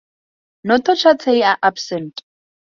Notochaetae are absent.